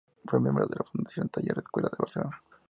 Fue miembro de la Fundación Taller Escuela de Barcelona.